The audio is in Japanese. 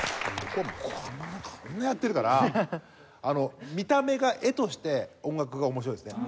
こうこんなやってるから見た目が画として音楽が面白いですね。